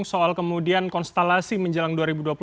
soal kemudian konstelasi menjelang dua ribu dua puluh empat